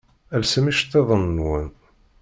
Lsem iceṭṭiḍen-nwen!